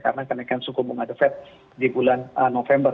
karena kenaikan suku bunga defat di bulan november